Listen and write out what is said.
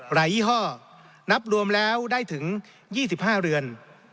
หลายยี่ห้อนับรวมแล้วได้ถึงยี่สิบห้าเรือน